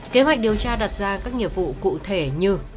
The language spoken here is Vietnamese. kế hoạch điều tra đặt ra các nghiệp vụ cụ thể như